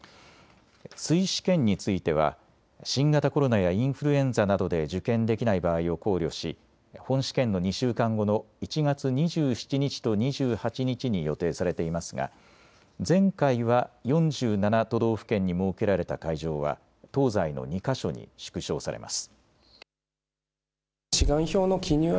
追試験については新型コロナやインフルエンザなどで受験できない場合を考慮し本試験の２週間後の１月２７日と２８日に予定されていますが前回は４７都道府県に設けられた会場は東西の２か所に縮小されます。